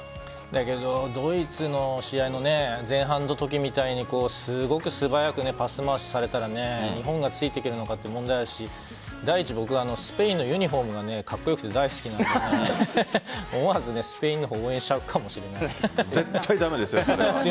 だけどドイツの試合の前半のときみたいにすごく素早くパス回しされたら日本がついていけるのかという問題だし第一、僕はスペインのユニホームがかっこよくて大好きなので思わずスペインの方を絶対駄目ですよ。